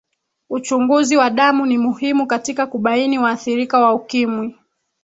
uchunguzi wa damu ni muhimu katika kubaini waathirika wa ukimwi